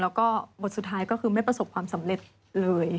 แล้วก็บทสุดท้ายก็คือไม่ประสบความสำเร็จเลย